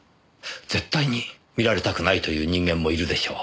絶対に見られたくないという人間もいるでしょう。